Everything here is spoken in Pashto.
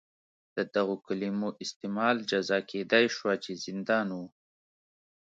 د دغو کلیمو استعمال جزا کېدای شوه چې زندان و.